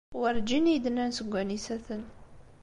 Werǧin iyi-d-nnan seg wanisa-ten.